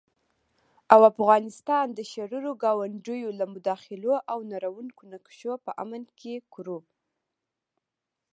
او افغانستان د شريرو ګاونډيو له مداخلو او نړوونکو نقشو په امن کې کړو